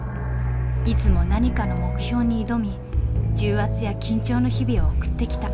いつも何かの目標に挑み重圧や緊張の日々を送ってきた。